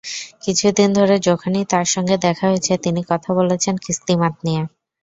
কিছুদিন ধরে যখনই তাঁর সঙ্গে দেখা হয়েছে, তিনি কথা বলেছেন কিস্তিমাত নিয়ে।